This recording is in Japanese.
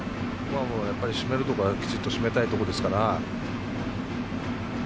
締めるところはきちっと締めたいところですから。